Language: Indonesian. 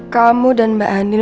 kamu dan mbak anin